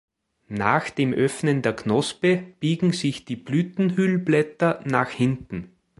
Nach dem Öffnen der Knospe biegen sich die Blütenhüllblätter nach hinten.